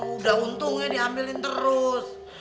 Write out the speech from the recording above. udah untungnya diambilin terus